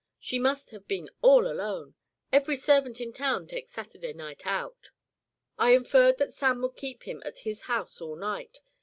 She must have been all alone. Every servant in town takes Saturday night out." "I inferred that Sam would keep him at his house all night.